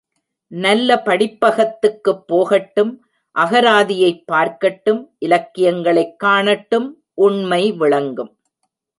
நல்ல படிப்பகத்துக்குப் போகட்டும் அகராதியைப் பார்க்கட்டும் இலக்கியங்களைக் காணட்டும் உண்மை விளங்கும்.